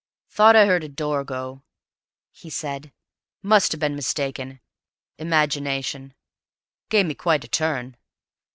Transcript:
"Thought I heard a door go," he said. "Must have been mistaken ... imagination ... gave me quite a turn.